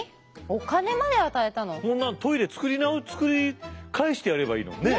トイレ作り返してやればいいのにね！